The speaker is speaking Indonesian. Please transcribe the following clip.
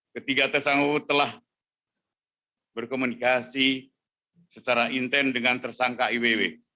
ketiga tersangka telah berkomunikasi secara intent dengan tersangka iww